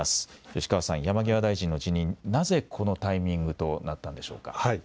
吉川さん、山際大臣の辞任、なぜこのタイミングとなったんでしょうか。